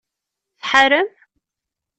Tḥarem?